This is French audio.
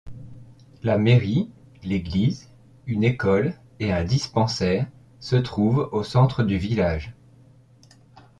La mairie, l'église, une école et un dispensaire se trouvent au centre du village.